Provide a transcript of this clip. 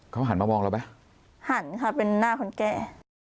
เขาหันมามองเราไหมหันค่ะเป็นหน้าคนแก่